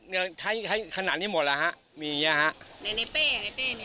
ก็เตรียมให้ขนาดนี้หมดแหละครับมีอย่างนี้ครับ